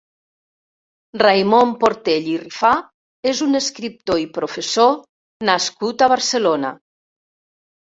Raimon Portell i Rifà és un escriptor i professor nascut a Barcelona.